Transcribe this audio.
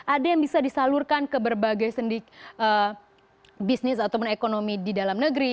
ada yang bisa disalurkan ke berbagai sendi bisnis ataupun ekonomi di dalam negeri